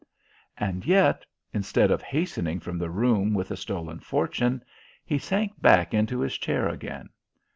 And yet, instead of hastening from the room with the stolen fortune, he sank back into his chair again.